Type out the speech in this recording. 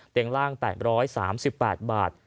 เตียงล่าง๘๓๘บาท